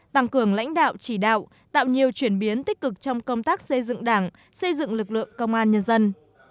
tăng cường lãnh đạo chỉ đạo tạo nhiều chuyển biến tích cực trong công tác xây dựng đảng xây dựng lực lượng công an nhân dân